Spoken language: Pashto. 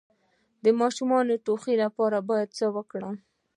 د ماشوم د ټوخي لپاره باید څه وکړم؟